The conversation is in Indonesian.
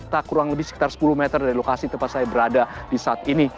tak kurang lebih sekitar sepuluh meter dari lokasi tempat saya berada di saat ini